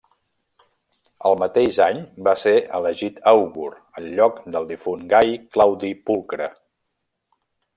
El mateix any va ser elegit àugur al lloc del difunt Gai Claudi Pulcre.